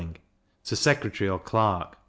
to secretary or clerk 1l.